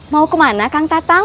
mau ke mana kang tatang